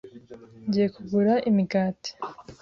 Ngiye kugura imigati.